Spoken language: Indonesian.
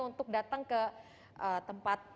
untuk datang ke tempat